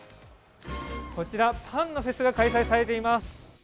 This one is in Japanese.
こちら、パンのフェスが開催されています。